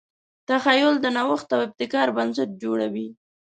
تخیل د نوښت او ابتکار بنسټ جوړوي.